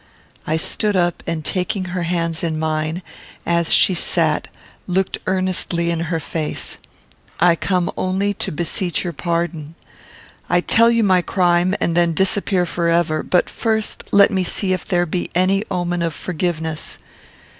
I stood up, and taking her hands in mine, as she sat, looked earnestly in her face: "I come only to beseech your pardon. To tell you my crime, and then disappear forever; but first let me see if there be any omen of forgiveness.